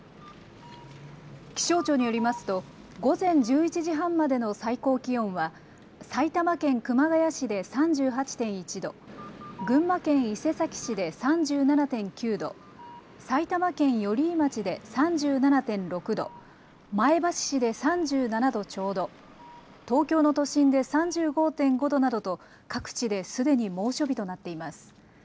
気象庁によりますと午前１１時半までの最高気温は埼玉県熊谷市で３８．１度、群馬県伊勢崎市で３７．９度、埼玉県寄居町で３７．６度、前橋市で３７度ちょうど、東京の都心で３５．５度などと各地ですでに猛暑日となっています。